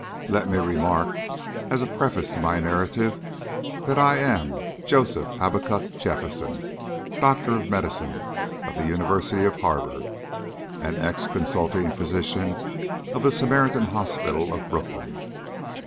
Let me remark, as a preface to my narrative, that I am Joseph Habakuk Jephson, Doctor of Medicine of the University of Harvard, and ex Consulting Physician of the Samaritan Hospital of Brooklyn.